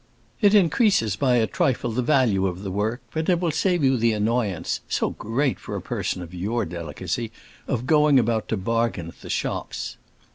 It increases by a trifle the value of the work, and it will save you the annoyance—so great for a person of your delicacy—of going about to bargain at the shops."